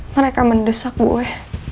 mereka mendesak gue